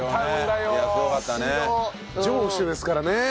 城主ですからね。